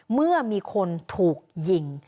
เมื่อมีคนถูกยิง